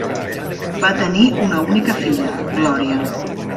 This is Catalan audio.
Van tenir una única filla, Gloria.